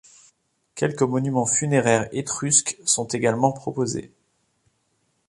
Quelques monuments funéraires étrusques sont également proposés.